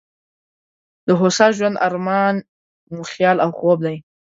د هوسا ژوند ارمان مو خیال او خوب دی.